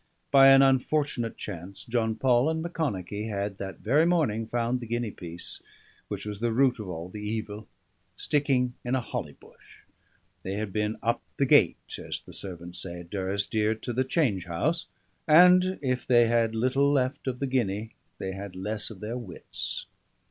By an unfortunate chance John Paul and Macconochie had that very morning found the guinea piece which was the root of all the evil sticking in a holly bush; they had been "up the gait," as the servants say at Durrisdeer, to the change house; and if they had little left of the guinea, they had less of their wits.